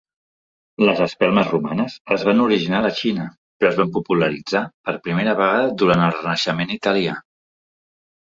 Les espelmes romanes es van originar a la Xina, però es van popularitzar per primera vegada durant el Renaixement italià.